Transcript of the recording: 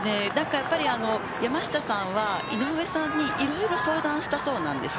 山下さんは井上さんにいろいろ相談したそうです。